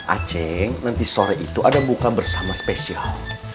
ah ceng nanti sore itu ada buka bersama spesial